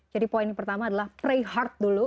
jadi poin pertama adalah pray hard dulu